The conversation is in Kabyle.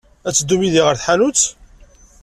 Ad teddum yid-i ɣer tḥanut?